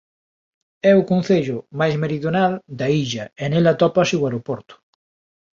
É o concello máis meridional da illa e nel atópase o aeroporto.